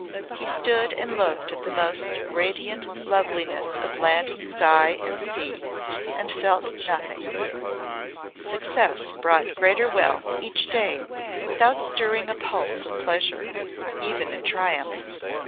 He stood and looked at the most radiant loveliness of land and sky and sea and felt nothing. Success brought greater wealth each day without stirring a pulse of pleasure, even in triumph.